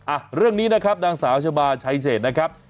อ่ะเรื่องนี้นะครับนางสาวชะบาชัยเศษนะครับ